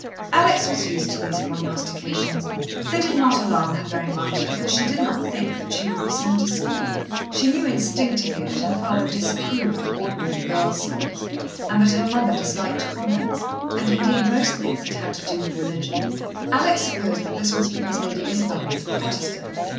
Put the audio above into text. Alex was used to these prognostications. They did not alarm her very much, because she did not think that she would be sent to school. She knew instinctively that her father disapproved of ordinary girls' schools, and that her mother disliked convents, and indeed most things that had to do with religion. Alex supposed that this was because Lady Isabel was a Protestant!